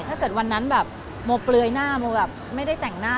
ถ้าเกิดวันนั้นแบบโมเปลือยหน้าโมแบบไม่ได้แต่งหน้า